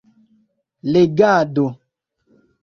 legado